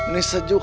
nisa juga deh